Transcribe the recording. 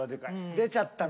出ちゃったのよ。